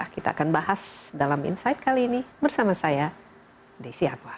kita akan bahas dalam insight kali ini bersama saya desi anwar